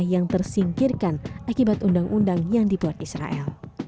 yang tersingkirkan akibat undang undang yang dibuat israel